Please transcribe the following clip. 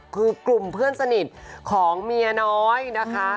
คือกลุ่มเพื่อนสนิทของเมียน้อยนะคะ